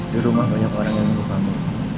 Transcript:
di rumah banyak orang yang dulu kamu